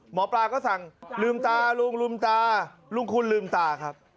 หมอปลาก็สั่งลืมตาลุงลืมตาลุงคุณลืมตาครับ